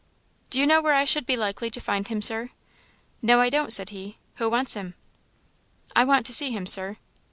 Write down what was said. "Do you know where I should be likely to find him, Sir?" "No, I don't," said he; "who wants him?" "I want to see him, Sir."